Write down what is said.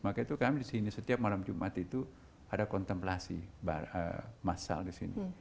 maka itu kami di sini setiap malam jumat itu ada kontemplasi massal di sini